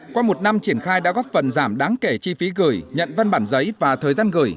qua một năm triển khai đã góp phần giảm đáng kể chi phí gửi nhận văn bản giấy và thời gian gửi